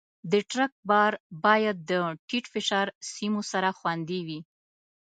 د ټرک بار باید د ټیټ فشار سیمو سره خوندي وي.